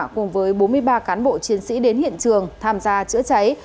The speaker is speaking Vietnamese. cùng với bốn mươi ba cán bộ chiến sĩ đến hiện trường tham gia chữa cháy